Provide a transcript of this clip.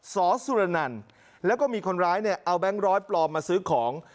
สสุรนันแล้วก็มีคนร้ายเนี่ยเอาแบงค์ร้อยปลอมมาซื้อของ